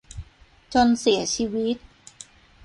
จนเสียชีวิต